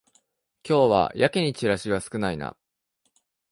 今日はやけにチラシ少ないな